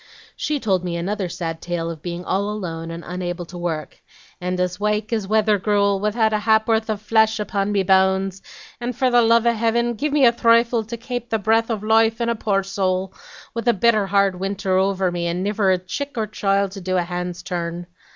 "She told me another sad tale of being all alone and unable to work, and 'as wake as wather grewl, without a hap worth av flesh upon me bones, and for the love of Heaven gimme a thrifle to kape the breath av loife in a poor soul, with a bitter hard winter over me, and niver a chick or child to do a hand's turn.'